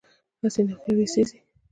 هسې نه خوله یې وسېزي.